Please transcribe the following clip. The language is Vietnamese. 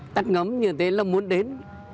tắt ngấm như thế là muốn đến